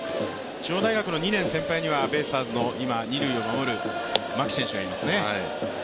中央大学の２年先輩には、ベイスターズの今、二塁を守る牧選手がいますね。